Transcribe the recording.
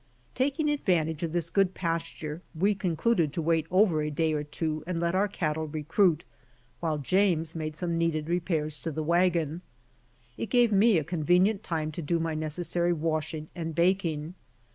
Taking advantage of this good pasturage Ave con cluded to wait over a day or two and let our cattle recruit, while James made some needed repairs to the wagon. It gave me a convenient time to do my nec essary washing and baking.